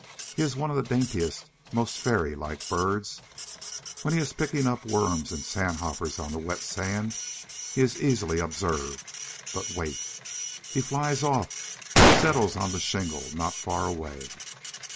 He is one of the daintiest, most fairy like birds. When he is picking up worms and sand hoppers on the wet sand he is easily observed. But wait! He flies off and settles on the shingle not far away.